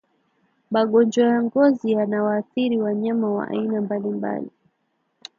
Magonjwa ya ngozi yanawaathiri wanyama wa aina mbalimbali